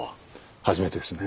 初めてですね。